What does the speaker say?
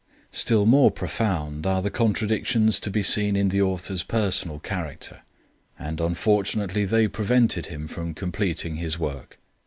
Still more profound are the contradictions to be seen in the author's personal character; and unfortunately they prevented him from completing his work.